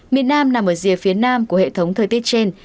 miền nam nằm ở rìa phía nam của hệ thống thời tiết trên